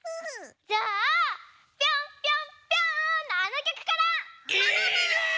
じゃあ「ピョンピョンピョーン！」のあのきょくから！